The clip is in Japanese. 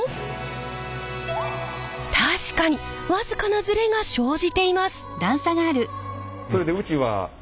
確かに僅かなズレが生じています。